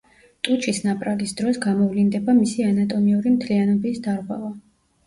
ტუჩის ნაპრალის დროს, გამოვლინდება მისი ანატომიური მთლიანობის დარღვევა.